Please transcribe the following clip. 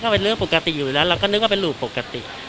เป็นเรื่องปกติอยู่แล้วเราก็นึกว่าเป็นรูปปกติ